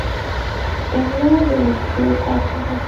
املا د لیکدود برخه ده.